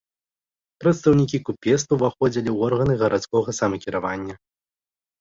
Прадстаўнікі купецтва ўваходзілі ў органы гарадскога самакіравання.